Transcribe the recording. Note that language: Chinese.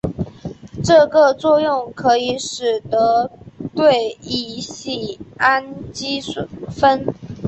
这个作用可以使得对乙酰氨基酚。